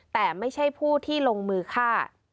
แต่ไม่ใช่ผู้ที่ลงมือฆ่า